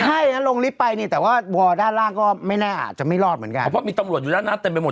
ใช่นะลงลิฟต์ไปนี่แต่ว่าวอร์ด้านล่างก็ไม่แน่อาจจะไม่รอดเหมือนกันเพราะมีตำรวจอยู่ด้านหน้าเต็มไปหมด